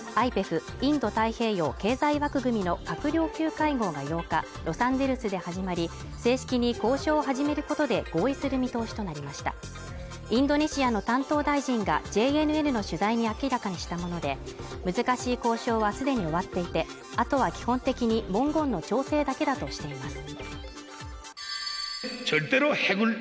ＩＰＥＦ＝インド太平洋経済枠組みの閣僚級会合が８日ロサンゼルスで始まり正式に交渉を始めることで合意する見通しとなりましたインドネシアの担当大臣がＪＮＮの取材に明らかにしたもので難しい交渉はすでに終わっていてあとは基本的に文言の調整だけだとしています